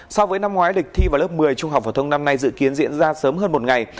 so với năm ngoái lịch thi vào lớp một mươi trung học phổ thông năm nay dự kiến diễn ra sớm hơn một ngày